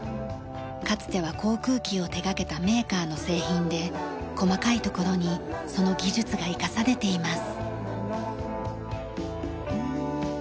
かつては航空機を手掛けたメーカーの製品で細かいところにその技術が生かされています。